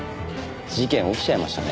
事件起きちゃいましたね。